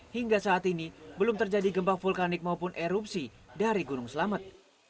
hingga saat ini belum terjadi gempa vulkanik maupun erupsi dari gunung selamet